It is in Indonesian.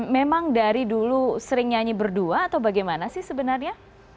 memang dari dulu sering nyanyi berdua atau bagaimana sih sebenarnya